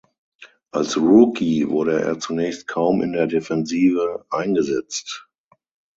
Als Rookie wurde er zunächst kaum in der Defensive eingesetzt.